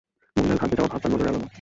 মহিলার ঘাবড়ে যাওয়া ভাব তাঁর নজর এড়াল না।